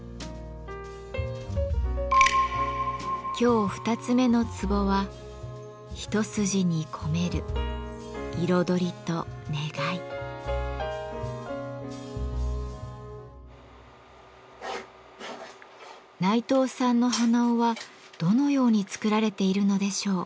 今日二つ目のツボは内藤さんの鼻緒はどのように作られているのでしょう？